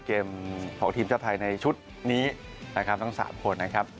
เกมของทีมชาติไทยในชุดนี้นะครับทั้ง๓คนนะครับ